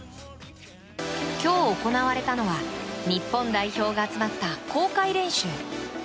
今日行われたのは日本代表が集まった公開練習。